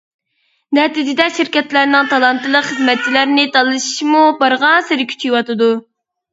نەتىجىدە شىركەتلەرنىڭ تالانتلىق خىزمەتچىلەرنى تالىشىشمۇ بارغانسېرى كۈچىيىۋاتىدۇ.